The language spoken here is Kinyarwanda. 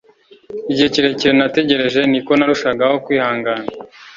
igihe kirekire nategereje, niko narushagaho kwihangana.